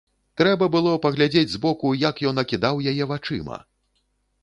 Трэба было паглядзець збоку, як ён акідаў яе вачыма!